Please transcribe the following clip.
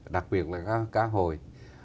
đặc biệt là cá hồi